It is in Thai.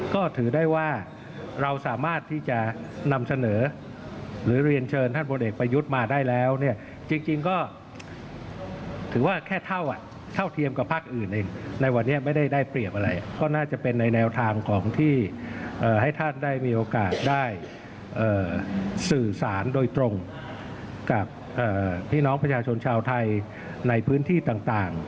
เคยทำมาแล้วนะคะฟังเสียงคุณห้าภักดิ์ค่ะ